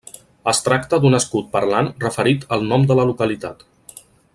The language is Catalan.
Es tracta d'un escut parlant referit al nom de la localitat.